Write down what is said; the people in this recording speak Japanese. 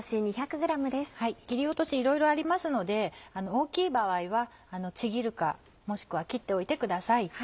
切り落としいろいろありますので大きい場合はちぎるかもしくは切っておいてください。